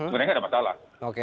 sebenarnya tidak ada masalah